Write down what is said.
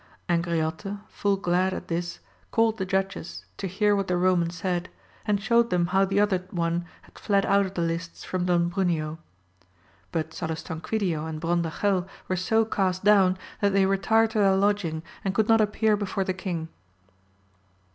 Angriote full glad at this, called the judges, to he.ar what the Eoman said, and shewed them how the other one had fled out of the lists from Don Bruneo. But Salustanquidio and Brondajel were so cast down, that AMADIS OF GAUL. 57 they retired to their lodging, and could not appear be fore the king.